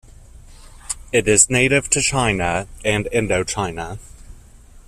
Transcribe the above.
It is native to China and Indochina.